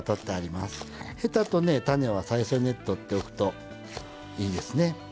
ヘタと種は最初に取っておくといいですね。